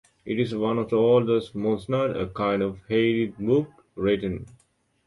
It is one of the oldest Musnad (a kind of Hadith book) written.